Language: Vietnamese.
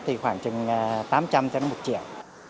thì khoảng chừng tám trăm linh cho đến một triệu